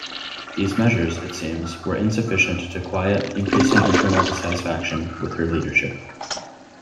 These measures, it seems, were insufficient to quiet increasing internal dissatisfaction with her leadership.